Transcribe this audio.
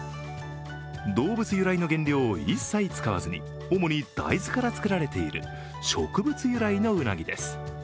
動物由来の原料を一切使わずに主に大豆から作られている植物由来のうなぎです。